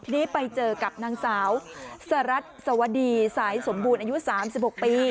นี่ไปเจอกับนางสาวสระดัสวดีสายสมบูรณ์อายุสามสิบหกปี